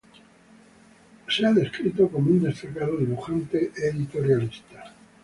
Ha sido descrito como un destacado dibujante editorialista.